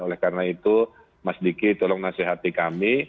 oleh karena itu mas diki tolong nasihati kami